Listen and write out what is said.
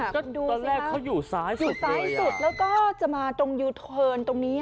ก็ตอนแรกเขาอยู่ซ้ายสุดเลยอ่ะอยู่ซ้ายสุดแล้วก็จะมาตรงยูเทิร์นตรงนี้อ่ะ